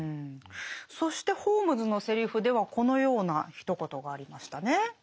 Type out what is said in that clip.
そしてホームズのセリフではこのようなひと言がありましたね。